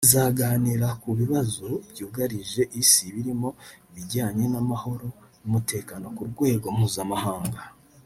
izaganira ku bibazo byugarije Isi birimo ibijyanye n’amahoro n’umutekano ku rwego mpuzamahanga